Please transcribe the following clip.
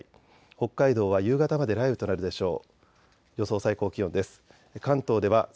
北海道は夕方まで雷雨となるでしょう。